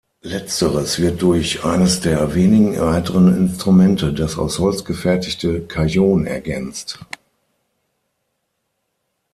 Letzteres wird durch eines der wenigen weiteren Instrumente, das aus Holz gefertigte Cajón ergänzt.